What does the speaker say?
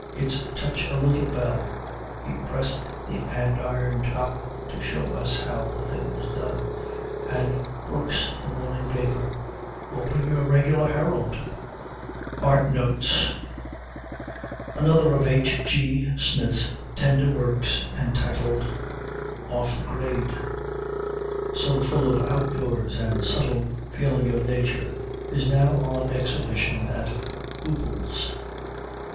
It's touch a little bell" (he pressed the andiron top to show us how the thing was done), "and 'Brooks, the morning paper!' Open your regular Herald: "'ART NOTES. Another of H. G. Smith's tender works, entitled, "Off the Grade," so full of out of doors and subtle feeling of nature, is now on exhibition at Goupil's.'